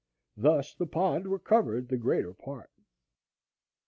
Thus the pond recovered the greater part.